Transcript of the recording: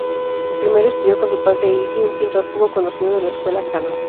Primero estudio con su padre, Eiji, un pintor poco conocido de la Escuela Kanō.